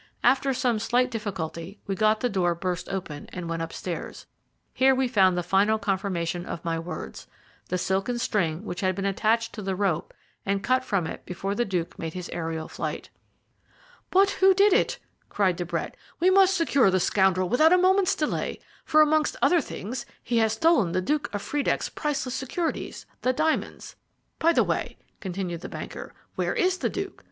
After some slight difficulty we got the door burst open and went upstairs. Here we found the final confirmation of my words the silken string which had been attached to the rope and cut from it before the Duke made his aerial flight. "But who did it?" cried De Brett. "We must secure the scoundrel without a moment's delay, for amongst other things he has stolen the Duke of Friedeck's priceless securities, the diamonds. By the way," continued the banker, "where is the Duke?